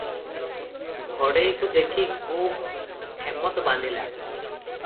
ଘଡ଼େଇକୁ ଦେଖି ଖୁବ୍ ହେମତ୍ ବାନ୍ଧିଲା ।